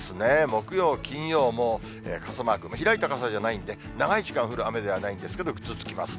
木曜、金曜も傘マーク、開いた傘じゃないんで、長い時間降る雨ではないんですけど、ぐずつきます。